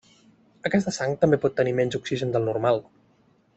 Aquesta sang també pot tenir menys oxigen del normal.